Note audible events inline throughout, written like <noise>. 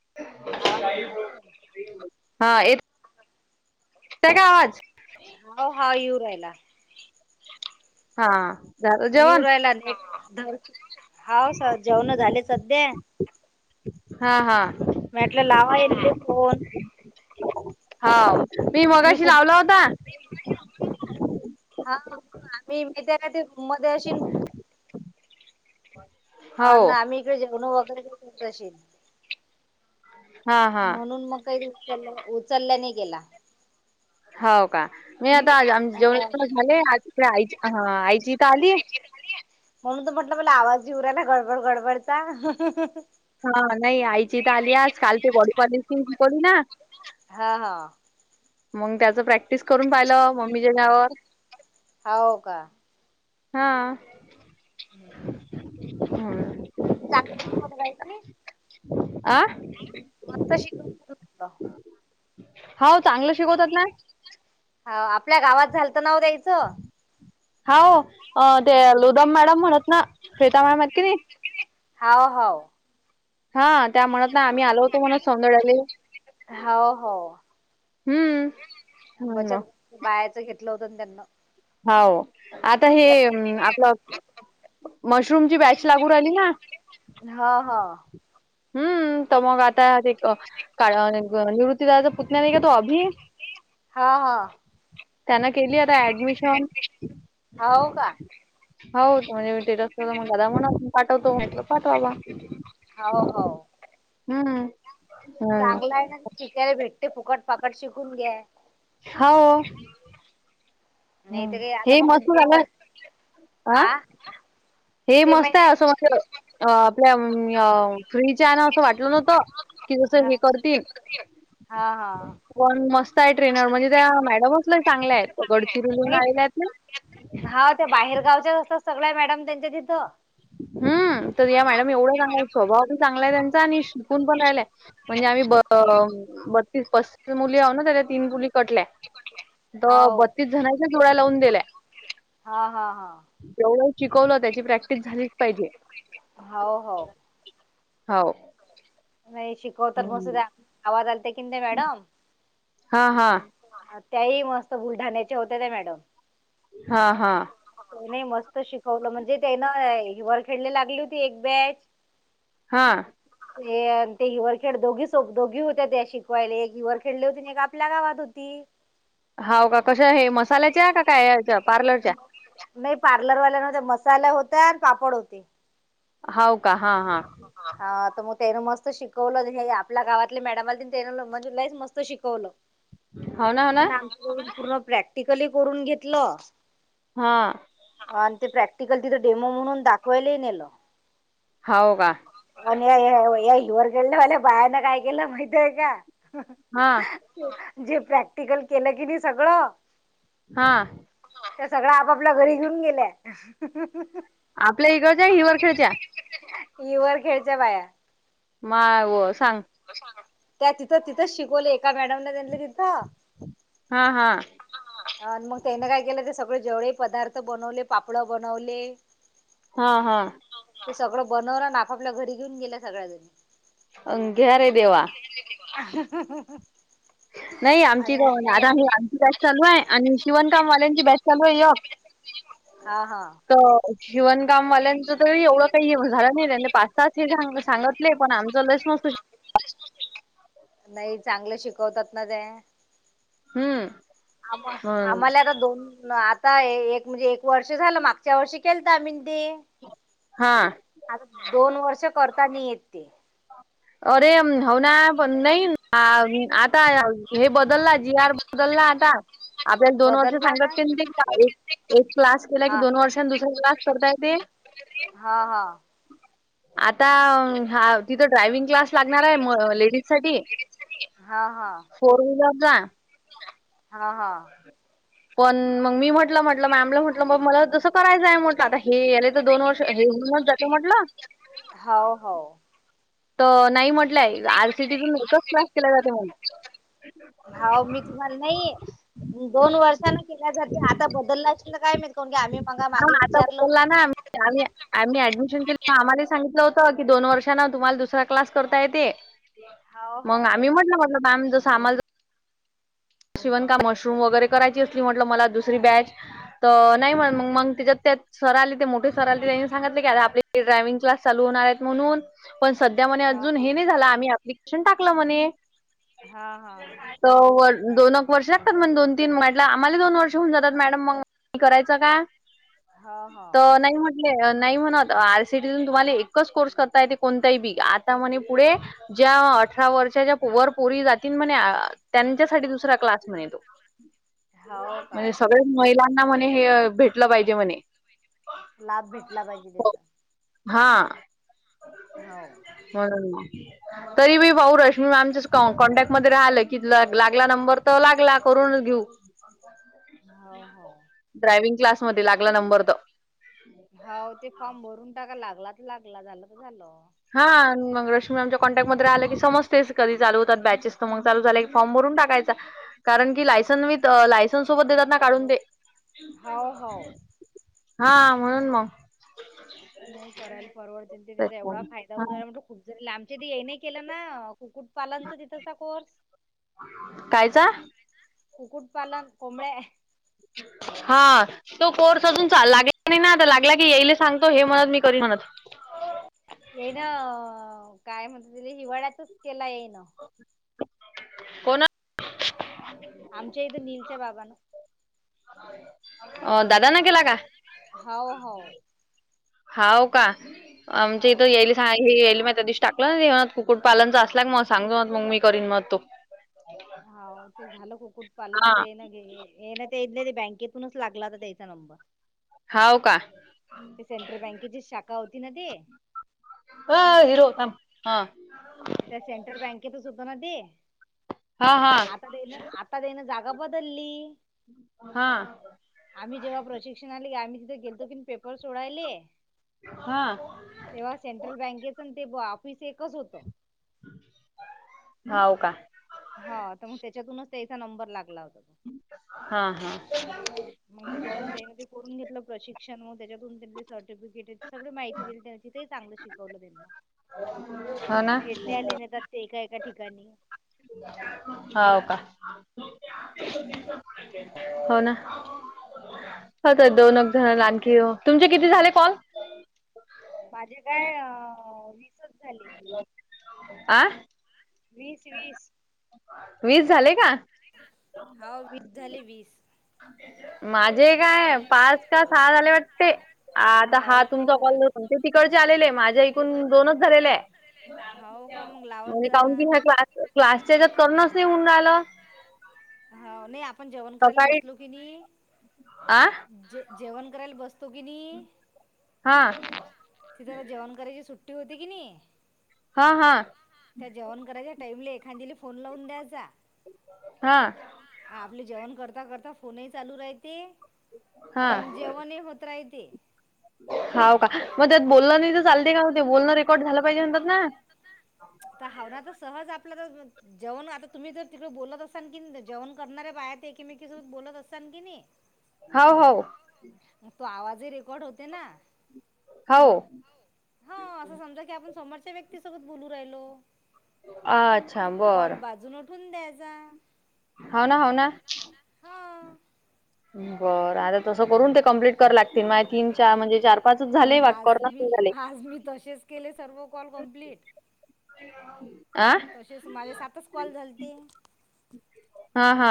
ह आवाज हा येतोय का आवाज? हो हा इवरायला हा झालं जेवण? येवरायला धर हाव जेवण झाले सध्या हा हा मटलं लावाय फोन होा मी तुम्ही मगाशी लावला कुठं होता हा आम्ही माित का ते मध्ये अशी अ हो ना आम्ही इकडे जेवणू वगैरेशील हा हा म्हणून मग काही उचल उचलल्याने गेला हो का मी आता आम जेवण जव झाले आ तडे आई आईची इथ आली म्हणून तो म्हटलं मला आवाज जवरायला गडबड गडबडचा हा नाही आईची तर आली आज काल ते गडी पाडली तीिकडी ना हा हा मग त्याचं प्रॅक्टिस करून पाहिलं मम्मीच्या नावर हो का हा हम् हा तप शिकये आं मस्त शिकवत होा चांगलं शिकवतात ना हो आपल्या गावात झाल तर नाव द्यायचं होा हो ते लुदम मॅडम म्हणत ना श्वेता मॅडम कि हा हो हा त्या म्हणत ना आम्ही आलोतो म्हणत सौंदड्याले हा हो. हम्म. हम्म बचत बायाचं घेतलं होतं त्यांना. हो आता हे आपलं. मशरूमची बॅच लागू राहिली ना. हा हा. हम्म त मग आता ती क. काळा अन गोरा निवृत्तीदादा चा पुतण्या नाही का तो अभि. हा हा त्यांना केली आता ऍडमिशन. हाव का हो म्हणजे मी स्टेटस असत तर मग दादा म्हणा आप पाठवतो म्ह पाठवाबा. हो हो. हम. चांगला आहे ना शिकायला भेटते फुकटपाकट शिकून घ्या. हो. नाही तर काही आता हे मग ते <unintelligible> तू दोन झालं वर्ष- अ. हा हे ते मस्त आहे माहिती असं अ आपल्या म फ्रीच्या आहे ना असं वाटलं न्हत. कि जस हे करतील. हा हा. पण मस्त आहे ट्रेनर म्हणजे त्या मॅडमचलं चांगल्या आहेत गडचिरी लिहून नाही आलेल्या आहेत ना. हा त्या बाहेरगावच्या असतात सगळ्या मॅडम त्यांच्या तिथं. हम् तर या मॅडम एवढा चांगलं आहे स्वभाव पण चांगलाय त्यांचा आणि शिकून पण राहिलाय. म्हणजे आम्ही ब अ बत्तीस पस्तीस मुली आहो ना त्या तीन मुली कटल्या. तर हाव बत्तीस जणांच्या जोड्या लावून दिल्याय. हा हा हा. जवढं शिकवलं त्याची प्रॅक्टिस झालीच पाहिजे. हो हो. हो. नाही शिकवत मस्त हं. त्या आवाज आलते की नाही मॅडम. हा हा. हा त्याही मस्त बुलढाण्याचे होते ते मॅडम. हा हा. नाही मस्त शिकवलं म्हणजे त्यान हिवाल खेळली लागली होती एक बॅच. हा. ते ते हिवर खेळ दोघी सो दोघी होत्या त्या शिकवायला एक हिवर खेळले होती एक आप आपल्या गावात होती. हा का कश हे मसाल्याचे काय ह्याच्या. पार्लरच्या? नाही पार्लरवाल्यामध्ये मसाला होत आणि पापड होते. हो का हा हा. हा तर मग त्यान मस्त शिकवलं हे आपल्या गावातले मॅडम आले त्यान म्हणजे लईच मस्त शिकवलं. हो ना, हो ना. त्यां पूर्ण प्रॅक्टिकली करून घेतलं हा. आणि ते प्रॅक्टिकल तिथं डेमो म्हणून दाखवायला नेलं. हो का. अ या या इर कळलंल्या बाया काय केला माहतीय का. हां, जे प्रॅक्टिकल केलं की नाही सगळं. हा. त्या सगळ आपापल्या घरी घेऊन गेल्या. आपल्या इडच्या हिवर खेळच्या. यवर खेळच्या बाया. माय व सांग. त्या तिथं तिथंच शिकवले एका मॅडमला नलं तिथं हा हा अ मग त्याने काय केलं ते सगळे जेवळे पदार्थ बनवले पापड बनवले हा हा ते सगळं बनवलं आणि आपापल्या घरी घेऊन गेल्या सगळ्याजणी अ घ्या रे देवा <inaudible> <inaudible> नाही आमची आणि आता आमची बॅस चालू आहे आणि शिवणकामवाल्यांची बॅच चालू आहे य हा हा तर जिवणकामवाल्यांचं तर एवढं काही झालं नाही त्यांनी पाच सच हेां सांगत पण आमच लसम नाही चांगलं शिकवतात ना ते हम्म आम मग आम्हाला आता दोन न आता एक म्हणजे एक वर्ष झालं मागच्या वर्षी केल तर आ्ी ते हा आता दोन वर्ष करता नाही येत ते अरे हव ना पण नाही आता हे बदलला जी आर बदलला आता आपल्याला दोन वर्ष बदलला का? सांगतात की ते का एक क्लास केला की हा. दोन वर्षांनी दुसरा क्लास करताय ते हा हा आता हा तिथं ड्रायविंग क्लास लागणार आहे लेडीज साठी हा हा फोर व्हीलर जा हा हा पण मग मी म्हटलं म्हटलं मॅमला म्हटलं म मला जसं करायचंय म्हटलं आ हे याला तर दोन वर्ष हे होऊनच जाते म्हटलं हो हो तर नाही म्हटलंय आरसीटीतूनच क्लास केला जाते म्हणून हव मी तुम्हाला नाही दोन वर्षांना केल्या जाते आता बदलला असल काय म कोण आम्ही मगा मागे विचारल हाणा आम्ही ऍडमिशन के आम्हा सांगित होत की दोन वर्षा ना तुम्हाला दुसरा क्लास करता येते हाव मग आम्ही म्हटल म्हटलं मॅम जस आम्हाला शिवन काम मशरूम वगैरे करायची असली म्हटलं मला दुसरी बॅच तर नाही म्हण मग मग त्यािच्यात त्यात सर आली ते मोठे सर आले त्यांनी सांगितले की आ आप ड्रायवि्हंग क्स चालू होणार आहेत म्हणून पण सध्या म हाव हा हा हा दोन एक वर्ष लागतात मग दोन तीन म्हट आम्हाला दोन वर्ष करायच का हा हा तर नाही म्ह नाही म्हणत आर सीटीून तुम्हाला एकच कोर्स करता येत कोणताही बी आता म्हणे पुढे ज्या अठरा वर्षाच्या वरपोरी जातील म्हणे त्यांच्यासाठी दुसरा क्लास म्हण येतो हम् म्हणजे सगळेच महिलांना म्हणे हे भेटलं पाहिजे म्हणे लाभ भेटला पाहिजे त्याचा हा हो म्हणून तरी मी भाऊ रश्मी मॅमचे कॉन्टॅक्ट मध्ये राहिलं की लागला नंबर तर लागला करून घेऊ हो हो ड्रायवि्हंग क्लासमध्ये लागला नंबर तर होा ते फॉर्म भरून टाका हां मग रश्मी आमच्या कॉन्टॅक्टमध्येध्ये राहिलं कीमते कधी चाल होतात बॅचेस तर मग ल झाले की फॉर्म भरून टाकायचा कारण की लायसन विथ लायसन सोबत देतात ना काढून ते हाव हाव. हा म्हणून मग नाही करायला फॉरवर्ड त्याचा एवढा फायदा हो खूप ज आमच्या ते हे नाही केलं ना कुक्कुट पालनचा तिथंसा कोर्स कायचा कुकुटपालन कोमळे हा तो कोर्स अजून चाल लागला नाही ना आता लागला की येईले सांगतो हे म्हणत मी कर म्हणत ये ना काय म्हणत त हिवाळ्यातच केला येईन कोण आमच्या इथं नीलच्या बाबाान अ दादाा न केे लागा हो हो हाव का हाव. टाकलं ना कुकुट पालनचां असला मग सांग मत मग मी करीन मग तो होा ते झालं कुक्कुट हा पालनच आहे ना ते ना ते इथले ते बँकेतूनच लागला होता त्याचा नंबर होाव का ते सेंट्रल बँकेची शाखा होती ना ते ह हिरो हा त्या सेंट्रल बँकेतच होत ना ते हा हा आता अदेन जागा बदलली हा आम्ही जेव्हा प्रशिक्षण आलेी आम्ही तिथे गेलो की पेपर सोडायले हा तेव्हा सेंट्रल बँकेच ते ऑफिस एकच होत हो हो का हा तर मग त्याच्यातूनच त्याचा नंबर लागला होता त हा हा मग त्याच्यातून त्यांनी ते करून घेतलं प्रशिक्षण मग त्याच्यातून त्यां सर्टिफिकेट हो ना <inaudible> ते एका एका ठिकाणी हो का हम्म, हो ना हो तर दोनग हम्म. जण आण आणखी हो तुमचे किती झाले कॉल माझे काय रिसच झाले आं वीस वीस वीस झाले का होा वीस झाले वीस अ माझे काय पाच का सहा झाले वाटते आ आता हा हाव का तुमचा ओ. कॉल ते तिकडचे आलेले आहे माझ्या इकून दोनच झालेले आहे हो का मग लावत म्हणजे जाण काउन की क्लास क्लासच्यात करणच नाही म्हऊन राहिलं हा नाही आपण जेवण करायला सकाळी बसलो की नाही आ जे जेवण करायला बसतो की नाही हा तिथ आ जेण कराची सुट्टी होती की नाही. हा हा. त्या जेवण करायच्या टाइमला एखाद्याला फोन लावून द्यायचा.. हा. आपले जेवण करता करता फोनही चालू राहते अ हा जेवण होत राहिते. होा का मग त्यात बोलण नाही तर चालते का हो ते बोलणं रेकॉर्ड झालं पाहिजे म्हणतात ना.. तर हावना तर सहज आपल्या तर. जेवण आता तुम्ही जर तिकडे बोलत असाल की जेवण करणा्या बाहे आहेत एकमेकीसोबत बोलत असाल की नाही. <inaudible> हो हो म तो आवाजही रेकॉर्ड होते ना. हो. हा असं समजा की आपण समोरच्या व्यक्तीसोबत बोलू राहिलो. अच्छा त कॉल बर बाजून उठून द्यायचा. हो ना हो ना. हा. बरं आता तसं करून ते. कं्प्लीट क लागतील तीन चार म्हणजे चार पाच झाले मग वा आज कोना मी झाले. आज मी तसेच. केले सर्व कॉल कम्प्लीट. ह. तसेच माझे सातच कॉल झाल ते. हा हा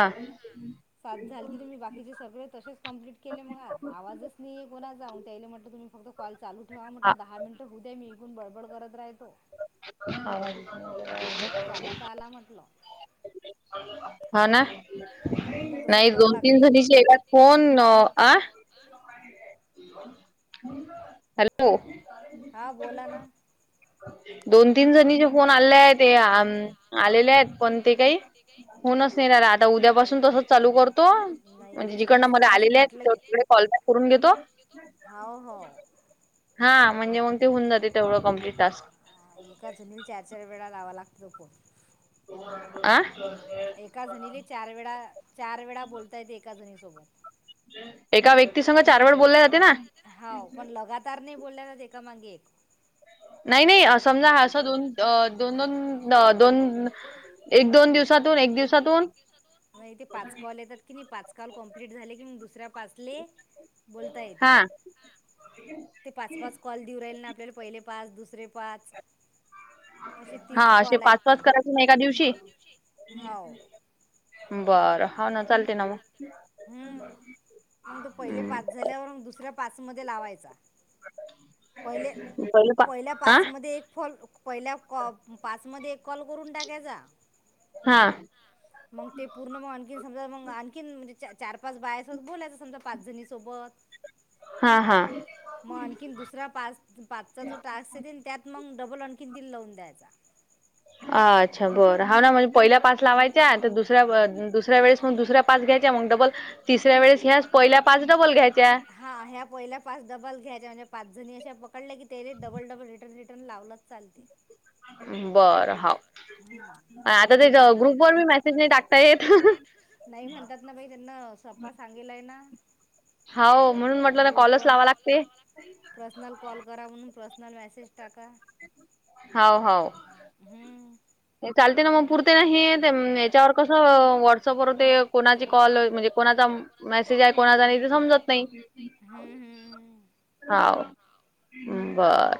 सात झाली तम्ही बाकीचे सगळे तसेच कंप्लीट केलेग आज आवाजच नाही आहे कोणा जाऊणटेईले म्हटलं तुम् फक्त कॉल चालू ठेवा आ- म्हटलं दहा मिनिट होऊ दे्या मी इण बडबड करत राहतो. ह <inaudible> आवा झाला तर आला म्हटलं. हा ना म्हणून मग तसंच नाही कर दोन तीन लागते. जणीची ए फन आ हॅलो! हां बोला ना. दोन तीन जणी जे फोन आले आहेत ते अ आलेले आहेत पण ते काही होनच नाही राला आता उद्यापासून तसच चालू करतो नंबर आलेले म्हणजे जिकडनं मला आलेले आहे आहेत कॉल बॅक करून घेतो. होाव हो. हा म्हणजे मग ते होन जाते तेवढं कम्प्लीट टास्क. एका जणील चार चार वेळा लावा लागतो पोण आं एका झणीले चार वेळा चार वेळा बोलता येते एका झणी सोबत एका व्यक्तीसघ चार वेळ बोलले जाते ना. होा पण लगातार नाही बोलल्याच एका मागे एक नाही नाही समजा असं दोन अ दोन दोन दोन एक दोन दिवसातून एक दिवसातून मग इ तेे पाच कॉल येतात की नाही पाच कॉल कम्प्लीट झाले की मग दुसऱ्या पाचले बोलता येते. ते होे. पाच पाच कॉल देऊ राहिल ना आपल्याला पहिले पाच दुसरे पास हा असे पाच आहेत ते पाच करायचे ना एका दिवशी. हो बरं होा ना चालते ना म हम्म. मग तो पहिले पाच झाल्यावर मग दुसऱ्या पाच लायचा प पहिले पा पहि आ पाच म पहिल्या कॉ पाचमध्ये एक कॉल करून टाकायचा हा मग ते पूर्ण मग आणखी समजा मग आणखीन म्हणजे चार पाच बायसोबत बोलायचं समजा पाच जणी सोबत हा हा मग आणखीन दुसरा पाच पाचचा जो टास्क येत ना त्यात मग डबल आणखीन तन लावून द्यायचा अच्छा बरं हा ना म्हणजे पहिला पास लावायचा तर दुसऱ्या दुसऱ्या वेळेस मग दुसऱ्या पाच घ्यायच्या मग डबल तिसऱ्या वेळेस ह्या पहिल्या पाच डबल घ्यायच्या हां ह्या पहिल्या पाच डबल घ्यायच्या म्हणजे पाच जणी असशा पकडल्या की तेने डबल डबल रिटर्न रिटर्न लावलंत चालते बर हम्म हाव असं आता एक ते एक दोन ग्रुप व मी दोन मेसेज नाही टाकता येत नाही म्हणतात ना बाई त्यांना सप्पा सांगलाय ना होा म्हणून म्हटलं ना कॉलच ग्रुपवर लावा लागते पर्सनल कॉल करा म्हणून पर्सनल मेसेज टाका हो हो हम्म चालते ना मग हे पुरते ते नाही कसं याच्यावर कस व्हॉट्सअपवर ते वॉट्सअप व कोणाचे कॉल कोची म्हणजे कॉल कोणाचा मेसेज आहे म्हणजे कोणाचा का नाही ते कोणा समजत नाही हा बरं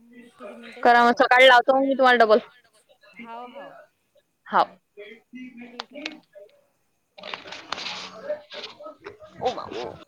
हम्म. किती मिनिटं करा झाले म हो? सकाळी लावतो मी तुम्हाला डबल डबल. हाव हाव. हा देती ठीक आहे घठी मग हो का